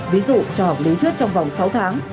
ví dụ cho học lý thuyết trong vòng sáu tháng